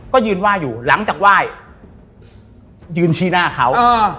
ก็ยืนไหว้อยู่หลังจากไหว้ยืนชี้หน้าเขา